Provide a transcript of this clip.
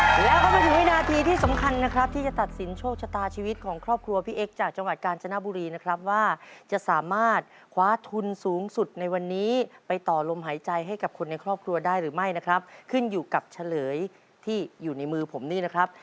แล้วก็มาถึงวินาทีที่สำคัญนะครับที่จะตัดสินโชคชะตาชีวิตของครอบครัวพี่เอ็กซ์จากจังหวัดกาญจนบุรีนะครับว่าจะสามารถคว้าทุนสูงสุดในวันนี้ไปต่อลมหายใจให้กับคนในครอบครัวได้หรือไม่นะครับขึ้นอยู่กับเฉลยที่อยู่ในมือผมนี่นะครับ